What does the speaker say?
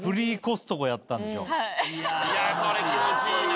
それ気持ちいいな。